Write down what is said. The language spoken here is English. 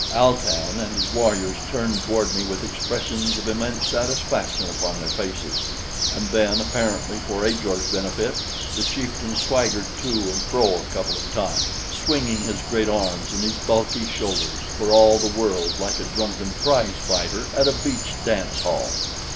Al tan and his warriors turned toward me with expressions of immense satisfaction upon their faces, and then, apparently for Ajor's benefit, the chieftain swaggered to and fro a couple of times, swinging his great arms and his bulky shoulders for all the world like a drunken prize fighter at a beach dancehall.